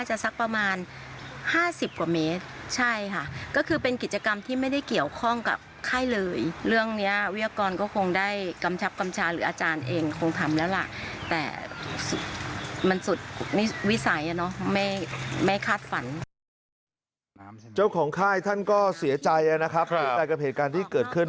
เจ้าของค่ายท่านก็เสียใจนะครับใกล้กับเหตุการณ์ที่เกิดขึ้น